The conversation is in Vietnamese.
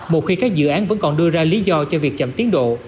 một khi các dự án vẫn còn đưa ra lý do cho việc chậm tiến độ